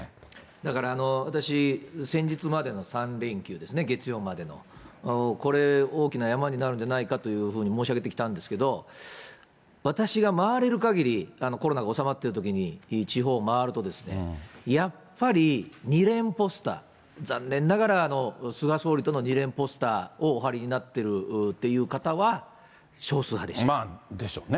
だから私、先日までの３連休ですね、月曜までの、これ、大きな山になるんじゃないかと申し上げてきたんですけれども、私が回れるかぎり、コロナが収まってるときに地方を回るとですね、やっぱり２連ポスター、残念ながら菅総理との２連ポスターをお貼りになっているという方まあ、でしょうね。